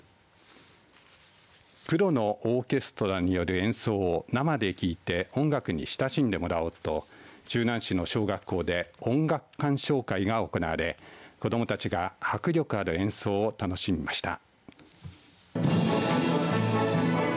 プロのオーケストラによる演奏を生で聞いて音楽に親しんでもらおうと周南市の小学校で音楽鑑賞会が行われ子どもたちが迫力ある演奏を楽しみました。